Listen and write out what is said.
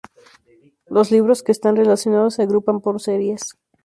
Los libros que están relacionados se agrupan por series.